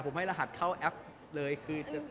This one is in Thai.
ผมให้รหัสเข้าแอปเลยคือ